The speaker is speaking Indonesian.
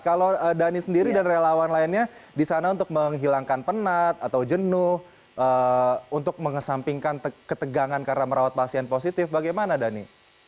kalau dhani sendiri dan relawan lainnya di sana untuk menghilangkan penat atau jenuh untuk mengesampingkan ketegangan karena merawat pasien positif bagaimana dhani